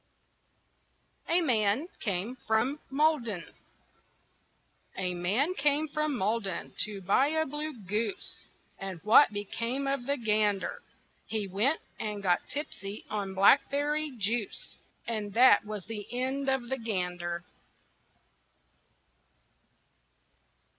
A MAN CAME FROM MALDEN A man came from Malden to buy a blue goose. And what became of the gander? He went and got tipsy on blackberry juice, And that was the end of the gander.